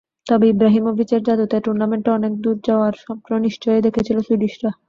তবে ইব্রাহিমোভিচের জাদুতে টুর্নামেন্টে অনেক দূর যাওয়ার স্বপ্ন নিশ্চয়ই দেখেছিল সুইডিশরা।